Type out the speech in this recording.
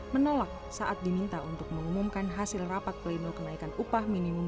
menolak saat diminta untuk mengumumkan hasil rapat pleno kenaikan upah minimum